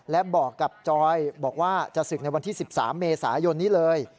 และบอกกับจอยบอกว่าจะศึกในวันที่๑๓เมษายนนี้เลย